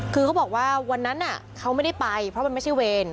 คือเขาบอกว่าวันนั้นเขาไม่ได้ไปเพราะมันไม่ใช่เวร